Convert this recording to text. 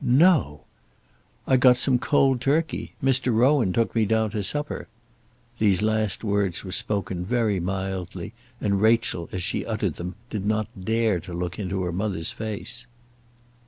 "No!" "I got some cold turkey. Mr. Rowan took me down to supper." These last words were spoken very mildly, and Rachel, as she uttered them, did not dare to look into her mother's face.